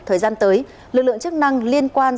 thời gian tới lực lượng chức năng liên quan